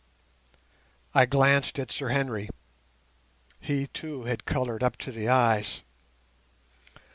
I glanced at Sir Henry. He, too, had coloured up to the eyes.